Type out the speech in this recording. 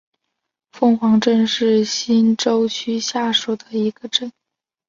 凤凰镇是新洲区下属的一个镇。